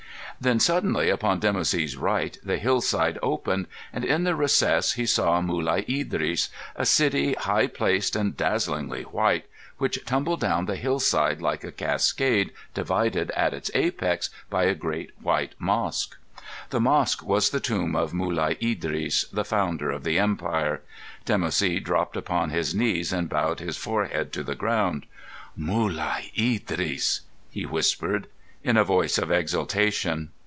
Then suddenly upon Dimoussi's right the hillside opened, and in the recess he saw Mulai Idris, a city high placed and dazzlingly white, which tumbled down the hillside like a cascade divided at its apex by a great white mosque. The mosque was the tomb of Mulai Idris, the founder of the empire. Dimoussi dropped upon his knees and bowed his forehead to the ground. "Mulai Idris," he whispered, in a voice of exaltation.